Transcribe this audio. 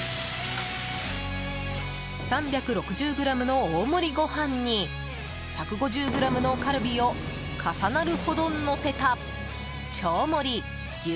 ３６０ｇの大盛りご飯に１５０ｇのカルビを重なるほどのせた超盛牛